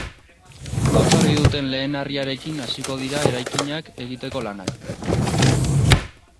Gaur jarri duten lehen harriarekin hasiko dira eraikinak egiteko lanak.